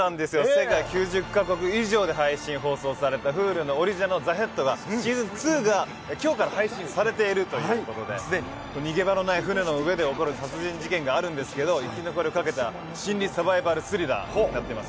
世界９０か国以上で配信、放送されたＨｕｌｕのオリジナルのＴＨＥＨＥＡＤが、シーズン２がきょうから配信されているということで、逃げ場のない船の上で起こる殺人事件があるんですけど、生き残りをかけた心理サバイバルスリラーになってます。